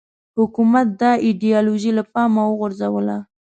حکومت دا ایدیالوژي له پامه وغورځوله